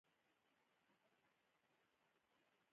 زه خپل اطاق پاک ساتم.